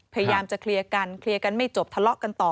พยายามจะเคลียร์กันไม่จบทะเลาะกันต่อ